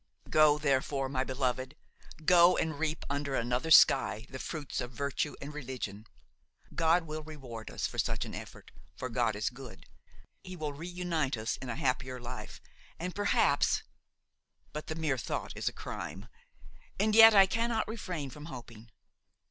"Go, therefore, my beloved; go and reap under another sky the fruits of virtue and religion. God will reward us for such an effort, for God is good. He will reunite us in a happier life, and perhaps–but the mere thought is a crime; and yet I cannot refrain from hoping!